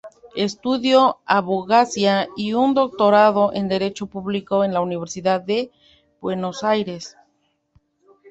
Estudió abogacía y un doctorado en derecho público en la Universidad de Buenos Aires.